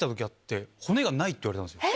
って言われたんですよ。